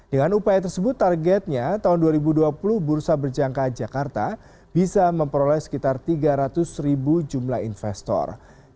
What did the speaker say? dengan upaya tersebut targetnya tahun dua ribu dua puluh bursa berjangka jakarta bisa memperoleh sekitar tiga ratus ribu jumlah investor